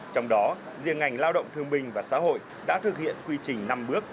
trong đó riêng ngành lao động thường bình và xã hội đã thực hiện quy trình năm bước